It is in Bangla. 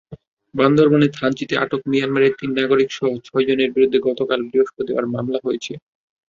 বান্দরবানের থানচিতে আটক মিয়ানমারের তিন নাগরিকসহ ছয়জনের বিরুদ্ধে গতকাল বৃহস্পতিবার মামলা হয়েছে।